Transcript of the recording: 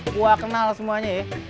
gua kenal semuanya ye